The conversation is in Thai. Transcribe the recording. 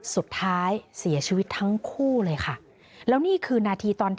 สุดท้ายเสียชีวิตทั้งคู่เลยค่ะ